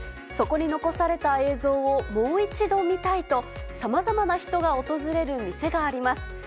そこに残された映像をもう一度見たいと、さまざまな人が訪れる店があります。